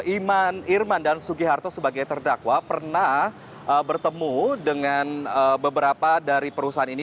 iman irman dan sugiharto sebagai terdakwa pernah bertemu dengan beberapa dari perusahaan ini